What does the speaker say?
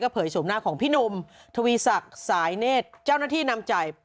เผยชมหน้าของพี่หนุ่มทวีศักดิ์สายเนธเจ้าหน้าที่นำจ่าย